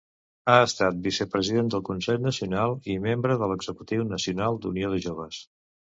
Ha estat vicepresident del Consell Nacional i membre de l'Executiu Nacional d'Unió de Joves.